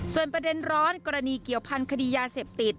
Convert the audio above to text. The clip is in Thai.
ส่วนประเด็นร้อนกรณีเกี่ยวพันธ์คดียาเสพติด